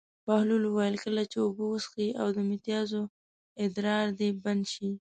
بهلول وویل: کله چې اوبه وڅښې او د متیازو ادرار دې بند شي.